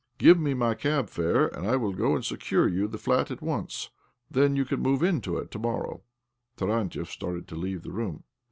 Give me my cab fare, and I will go and secure you the flat at once. Then you can move into it to morrow." Tarantiev started to leave the room.